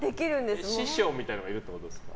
師匠みたいなのがいるってことですか。